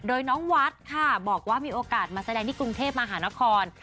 โดยน้องวัดค่ะบอกว่ามีโอกาสมาแสดงที่กรุงเทพมหานคร